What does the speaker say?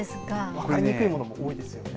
分かりにくいものも多いですよね。